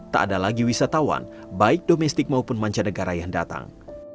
tak ada lagi wisatawan baik domestik maupun mancanegara yang datang